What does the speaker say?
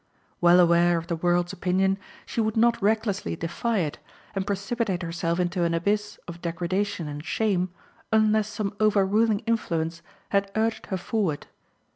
Well aware of the world's opinion, she would not recklessly defy it, and precipitate herself into an abyss of degradation and shame unless some overruling influence had urged her forward.